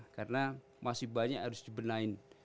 karena masih banyak yang harus dibenain